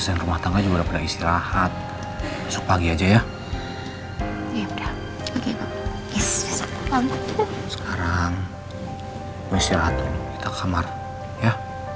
sampai jumpa di video selanjutnya